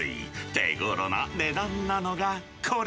手ごろな値段なのがこれ。